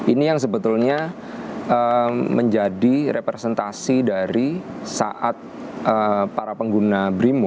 ini yang sebetulnya menjadi representasi dari saat para pengguna brimo